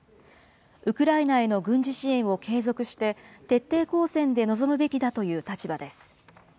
ウクライナへの軍事支援を継続して、徹底抗戦で臨むべきだという立場です。